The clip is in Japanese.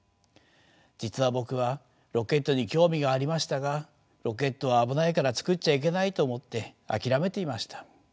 実は僕はロケットに興味がありましたがロケットは危ないから作っちゃいけないと思って諦めていました。